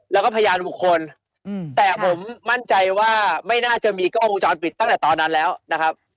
แล้วก็พยานบุคคลแต่ผมมั่นใจว่าไม่น่าจะมีกล้องวงจรปิดตั้งแต่ตอนนั้นแล้วนะครับ